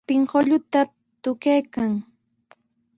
Pinkulluta tukaykan.